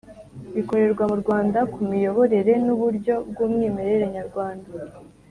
Bikorerwa mu rwanda ku miyoborere n uburyo bw umwimerere nyarwanda